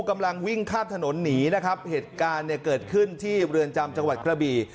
กำลังวิ่งข้ามถนนหนีนะครับเหตุการณ์เนี่ยเกิดขึ้นที่เรือนจำจังหวัดกระบี่